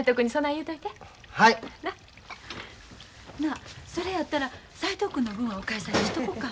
なあそれやったら斉藤君の分はおかいさんにしとこか。